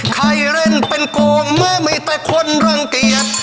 ใครเล่นเป็นกวงไม่มีแต่คนรังเกียจ